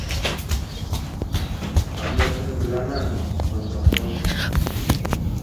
— Hammasini bilaman, Qo‘shoqjon!